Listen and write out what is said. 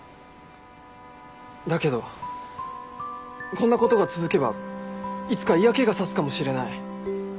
だけどこんなことが続けばいつか嫌気が差すかもしれない。